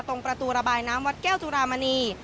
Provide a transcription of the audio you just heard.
ประตูระบายน้ำวัดแก้วจุรามณี